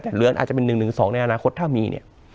แต่เหลือนอาจจะเป็น๑๑๒ในอนาคตถ้ามีเนี่ย